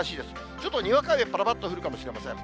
ちょっとにわか雨、ぱらぱらっと降るかもしれません。